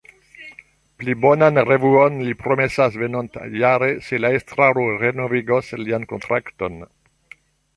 Pli bonan revuon li promesas venontjare, se la estraro renovigos lian kontrakton.